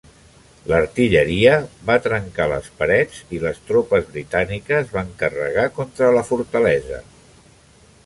L'artilleria va trencar les parets i les tropes britàniques van carregar contra la fortalesa.